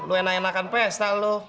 lo enakan enakan prestal lo